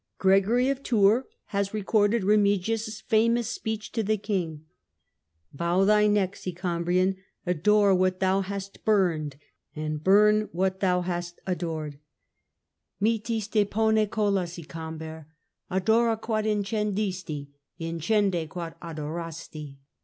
Gregory of Tours has recorded Bemigius' famous speech to the King: "Bow thy neck, Sicambrian ; adore what thou hast burned, and burn what thou hast adored " (Mitis depone colla, Sicamber ; adora quod incendisti, incende quod adorasti).